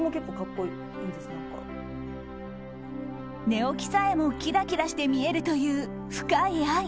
寝起きさえもキラキラして見えるという深い愛。